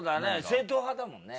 正統派だもんね。